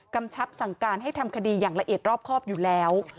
ชับสั่งการให้ทำคดีอย่างละเอียดรอบครอบอยู่แล้ว